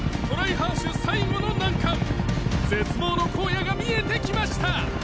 ハーシュ最後の難関絶望の荒野が見えてきました！